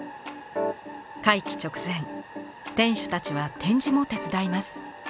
会期直前店主たちは展示も手伝います。